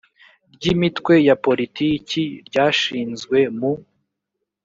ry imitwe ya politiki ryashinzwe mu